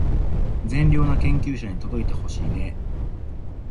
善良な研究者に届いてほしいねー